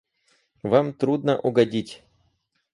Вам трудно угодить.